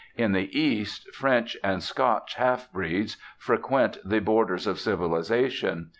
In the east, French and Scotch half breeds frequent the borders of civilisation.